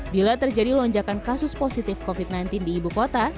bila terjadi lonjakan kasus positif covid sembilan belas di ibu kota